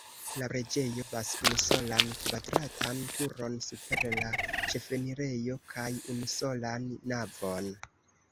La preĝejo havas unusolan kvadratan turon super la ĉefenirejo kaj unusolan navon.